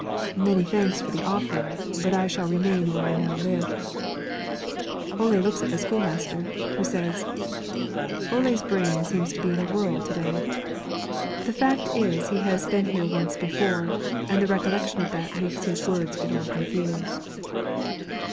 "Many thanks for the offer, but I should rather remain where I now live." Ole looks at the school master, who says, "Ole's brain seems to be in a whirl to day. The fact is he has been here once before, and the recollection of that makes his words get all confused."